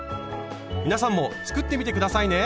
皆さんも作ってみて下さいね！